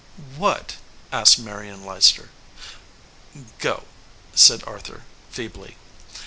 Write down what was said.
"What?" asked Marion Leicester. "Go," said Arthur feebly.